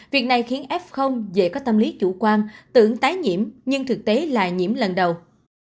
việc này khiến f dễ có tâm lý chủ quan tưởng tái nhiễm nhưng thực tế là nhiễm lần đầu